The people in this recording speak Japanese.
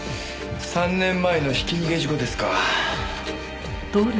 ３年前のひき逃げ事故ですか。